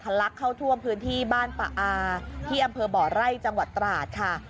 ลักเข้าท่วมพื้นที่บ้านปะอาที่อำเภอบ่อไร่จังหวัดตราดค่ะ